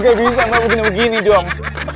nggak bisa nggak bikin begini dong